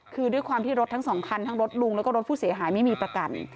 คือด้วยความที่รถทั้งสองคันทั้งรถลุงแล้วก็รถผู้เสียหายไม่มีประกัน